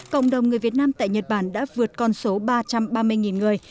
cộng đồng người việt nam tại nhật bản đã vượt con số ba trăm ba mươi người